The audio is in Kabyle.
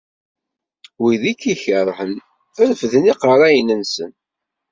Wid i k-ikerhen refden iqerra-nsen.